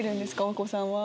お子さんは。